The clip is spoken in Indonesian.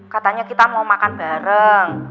katanya kita mau makan bareng